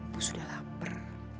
bu sudah lapar